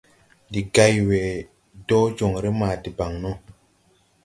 Ndi gay we dɔɔ jɔŋre ma debaŋ no.